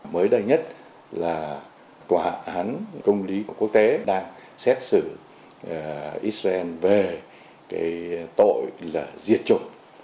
mới đây nhất là quả hắn công lý quốc tế đang xét xử israel về tội diệt chủng